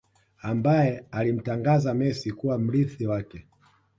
Ambaye alimtangaza Messi kuwa mrithi wake